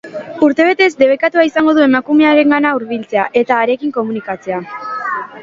Urtebetez debekatuta izango du emakumearengana hurbiltzea eta harekin komunikatzea.